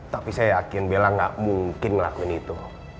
tapi saya yakin bella gak mungkin ngelakuin itu